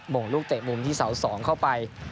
โบมหลูกเตะมุมที่เสร่า๒เข้าไป